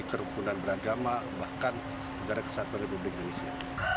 kerupunan beragama bahkan menjara kesatuan republik indonesia